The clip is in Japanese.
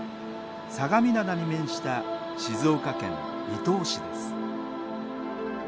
相模灘に面した静岡県伊東市です。